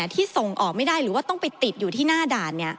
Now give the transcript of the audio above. ที่ส่งออกไม่ได้หรือว่าต้องไปติดอยู่ที่หน้าด่าน